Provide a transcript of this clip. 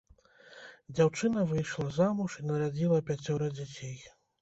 Дзяўчына выйшла замуж і нарадзіла пяцёра дзяцей.